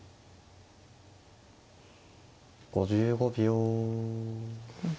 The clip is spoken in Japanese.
５５秒。